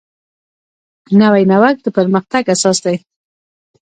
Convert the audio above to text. نوی نوښت د پرمختګ اساس دی